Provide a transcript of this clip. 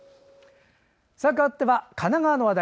かわって、神奈川の話題。